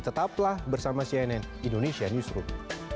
tetaplah bersama cnn indonesia newsroom